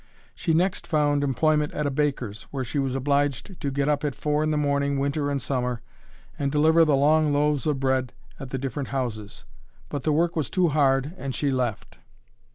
She next found employment at a baker's, where she was obliged to get up at four in the morning, winter and summer, and deliver the long loaves of bread at the different houses; but the work was too hard and she left.